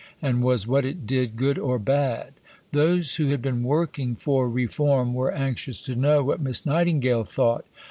and was what it did, good or bad? Those who had been working for reform were anxious to know what Miss Nightingale thought.